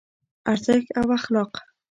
ارزښت او اخلاق